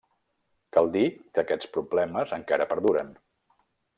Cal dir que aquests problemes encara perduren.